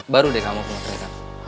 baru deh kamu pemotretan